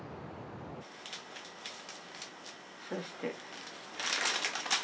そして。